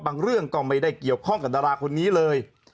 เรื่องก็ไม่ได้เกี่ยวข้องกับดาราคนนี้เลย